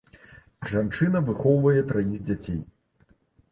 Жанчына выхоўвае траіх дзяцей.